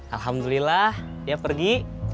alhamdulillah dia pergi